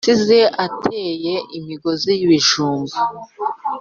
yasize ateye imigozi yibijumba